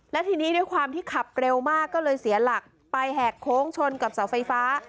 และทีนี้ด้วยความที่ขับเร็วมากก็เลยเสียหลักไปแหกโค้งชนกับเสาไฟฟ้า